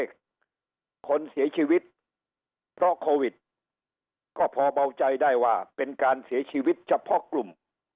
คนเสียชีวิตเพราะโควิดก็พอเบาใจได้ว่าเป็นการเสียชีวิตเฉพาะกลุ่ม